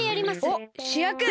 おっしゅやく！